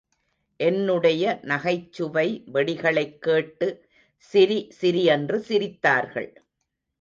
என்னுடைய நகைச்சுவை வெடிகளைக் கேட்டு, சிரி சிரி என்று சிரித்தார்கள்.